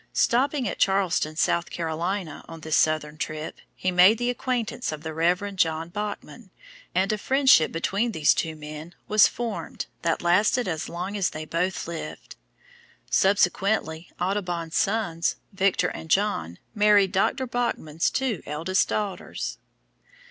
Stopping at Charleston, South Carolina, on this southern trip, he made the acquaintance of the Reverend John Bachman, and a friendship between these two men was formed that lasted as long as they both lived. Subsequently, Audubon's sons, Victor and John, married Dr. Bachman's two eldest daughters.